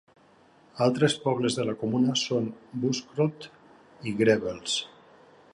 Altres pobles de la comuna són Buschrodt i Grevels.